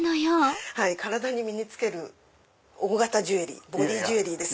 体に身に着ける大型ジュエリーボディージュエリーです。